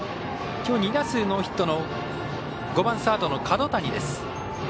きょう２打数ノーヒットの５番サードの角谷。